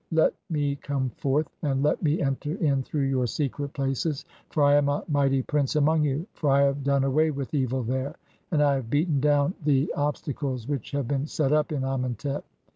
Let 'me come forth and let me enter in through (7) your secret 'places, for I am a mighty prince among you, for I have done 'away with evil there, and I have beaten down the (8) ob stacles (?) [which have been set up] in Amentet.